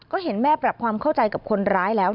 ก็เห็นแม่ปรับความเข้าใจกับคนร้ายแล้ว